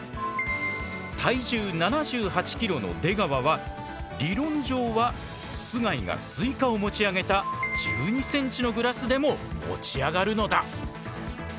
体重７８キロの出川は理論上は須貝がスイカを持ち上げた１２センチのグラスでも持ち上がるのだ。